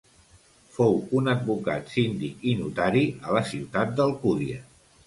Fou un advocat, síndic i notari a la ciutat d'Alcúdia.